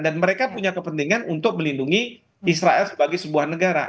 dan mereka punya kepentingan untuk melindungi israel sebagai sebuah negara